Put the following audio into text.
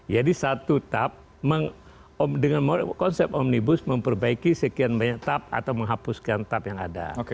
jadi satu tap dengan konsep omnibus memperbaiki sekian banyak tap atau menghapuskan tap yang ada